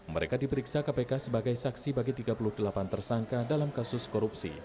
mereka diperiksa kpk sebagai saksi bagi tiga puluh delapan tersangka dalam kasus korupsi